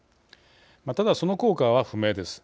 ただ、その効果は不明です。